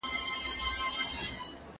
زه اوس مړۍ خورم.